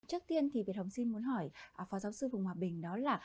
trước tiên thì việt học xin muốn hỏi phó giáo sư phùng hòa bình đó là